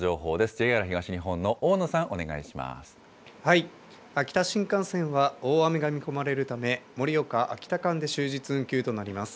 ＪＲ東日本の大野さん、お願いし秋田新幹線は大雨が見込まれるため、盛岡・秋田間で終日運休となります。